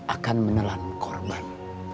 akan menelan korban